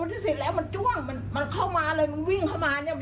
ที่สุดแล้วมันจ้วงมันเข้ามาเลยมันวิ่งเข้ามาเนี่ย